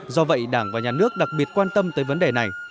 do vậy đảng và nhà nước đặc biệt quan tâm tới vấn đề này